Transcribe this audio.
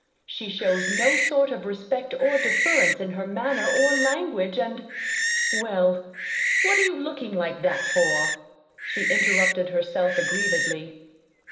She shows no sort of respect or deference in her manner or language, and well, what are you looking like that for?" she interrupted herself aggrievedly.